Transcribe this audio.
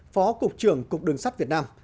phó cục trưởng cục đường sắt việt nam